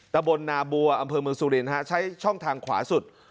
ตะบนนาบัวอำเภอเมืองสุรินทร์ใช้ช่องทางขวาสุด